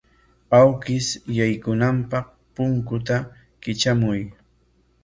Awkish yaykunanpaq punkuta kitramuy.